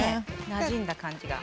なじんだ感じが。